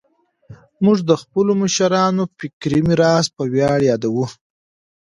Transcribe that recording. موږ د خپلو مشرانو فکري میراث په ویاړ یادوو.